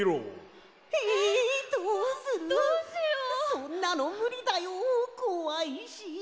そんなのむりだよこわいし。